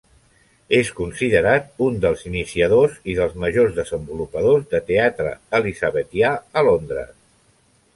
És considerat un dels iniciadors i dels majors desenvolupadors de teatre elisabetià a Londres.